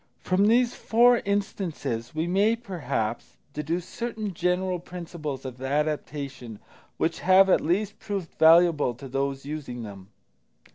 From these four instances we may, perhaps, deduce certain general principles of adaptation which have at least proved valuable to those using them.